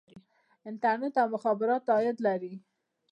انټرنیټ او مخابرات عاید لري